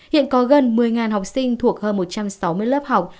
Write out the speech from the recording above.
hiện có gần một mươi học sinh thuộc hơn một trăm sáu mươi lớp học